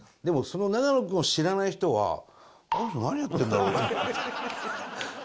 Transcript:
でもその永野君を知らない人は。